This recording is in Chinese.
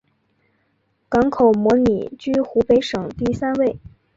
港口规模居湖北省第三位。